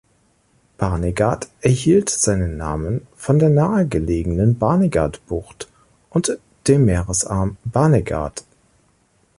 Barnegat erhielt seinen Namen von der nahegelegenen Barnegat-Bucht und dem Meeresarm Barnegat.